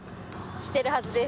きてるはずです。